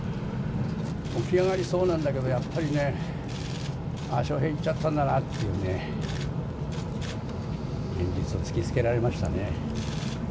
起き上がりそうなんだけど、やっぱりね、ああ、笑瓶逝っちゃったんだなっていうね、現実を突きつけられましたね。